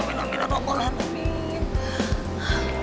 amin ya allah